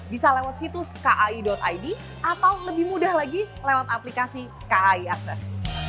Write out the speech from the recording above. bisa lewat situs kai id atau lebih mudah lagi lewat aplikasi kai akses